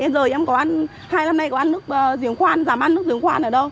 giờ em có ăn hai năm nay có ăn nước giếng khoan giảm ăn nước giếng khoan ở đâu